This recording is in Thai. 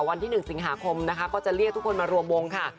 วันที่๑สิงหาคมนะคะก็จะเรียกทุกคนมารวมวงค่ะ